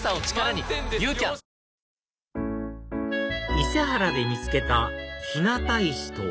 伊勢原で見つけた日向石とは？